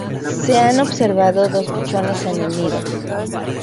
Se han observado dos pichones en el nido.